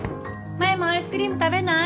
マヤもアイスクリーム食べない？